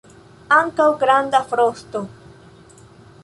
Ankaŭ granda frosto.